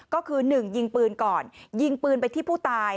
ก็คือ๑ยิงปืนก่อนยิงปืนไปที่ผู้ตาย